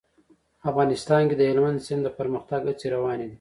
افغانستان کې د هلمند سیند د پرمختګ هڅې روانې دي.